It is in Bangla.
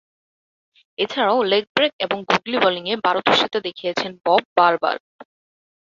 এছাড়াও লেগ ব্রেক ও গুগলি বোলিংয়ে পারদর্শিতা দেখিয়েছেন বব বারবার।